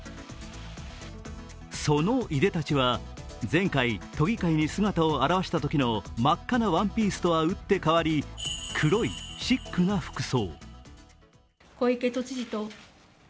そのいでたちは前回都議会に姿を現したときの真っ赤なワンピースとは打って変わり黒いシックな服装。